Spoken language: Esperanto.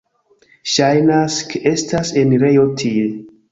Ŝajnas, ke estas enirejo tie.